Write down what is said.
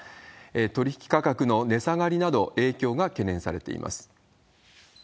取り引き価格の値下がりなど、影響が懸念されています。